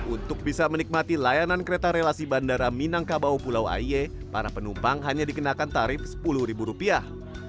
untuk bisa menikmati layanan kereta relasi bandara minangkabau pulau aie para penumpang hanya dikenakan tarif sepuluh ribu rupiah